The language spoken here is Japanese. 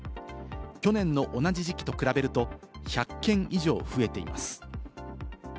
去年の同じ時期と比べると１００件以上増えています。